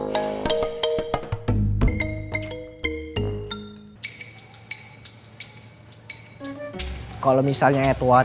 itu punya bapak seperti itu